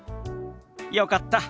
よかった。